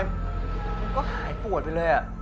มันก็หายปวดไปเลย